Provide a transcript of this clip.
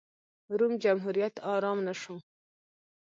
روم جمهوریت ارام نه شو.